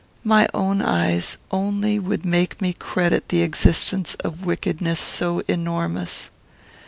My own eyes only would make me credit the existence of wickedness so enormous.